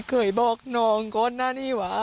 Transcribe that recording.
เคยบอกน้องก็นั่นนี่หวะ